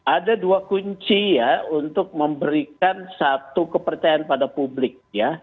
ada dua kunci ya untuk memberikan satu kepercayaan pada publik ya